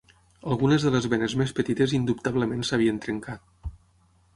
Algunes de les venes més petites indubtablement s'havien trencat.